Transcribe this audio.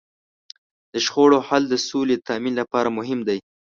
د شخړو حل د سولې د تامین لپاره مهم دی.